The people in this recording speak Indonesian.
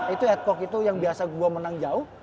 itu adcock itu yang biasa gue menang jauh